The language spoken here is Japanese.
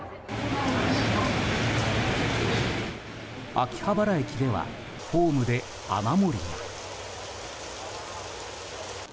秋葉原駅ではホームで雨漏りが。